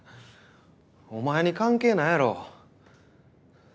お前に関係ないやろ。